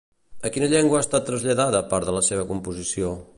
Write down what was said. A quina llengua ha estat traslladada part de la seva composició?